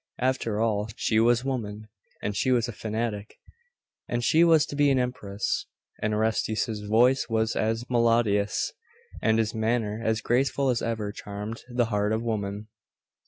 After all, she was woman. And she was a fanatic.... And she was to be an empress.... And Orestes's voice was as melodious, and his manner as graceful as ever charmed the heart of woman.